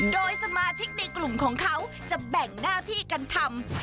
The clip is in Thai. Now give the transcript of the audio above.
โดยสมาชิกในกลุ่มของเขาจะแบ่งหน้าที่กันทำ